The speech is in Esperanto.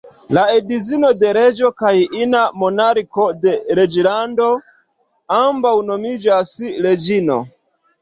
La edzino de reĝo, kaj ina monarko de reĝlando, ambaŭ nomiĝas "reĝino".